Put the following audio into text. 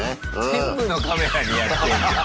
全部のカメラにやってんじゃん。